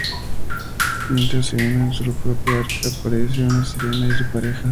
Mientras se hunden en su propia arca, aparece un Sirena y su pareja.